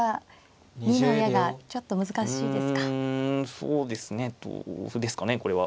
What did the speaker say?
そうですね同歩ですかねこれは。